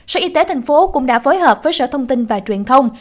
sở y tế tp hcm cũng đã phối hợp với sở thông tin và truyền thông